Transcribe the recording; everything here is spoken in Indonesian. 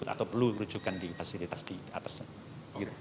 atau perlu rujukan di fasilitas diatasnya